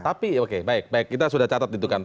tapi oke baik baik kita sudah catat itu kan